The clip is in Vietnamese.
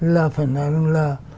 là phải nói là